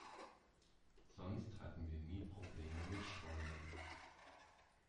Sonst hatten wir nie Probleme mit Streunern.